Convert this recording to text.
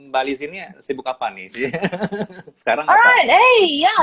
bali sini sibuk apa nih sih